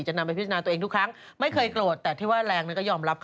นำไปพิจารณาตัวเองทุกครั้งไม่เคยโกรธแต่ที่ว่าแรงนั้นก็ยอมรับค่ะ